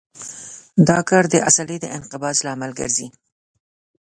دا کار د عضلې د انقباض لامل ګرځي.